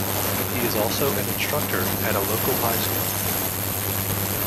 He is also an instructor at a local high school.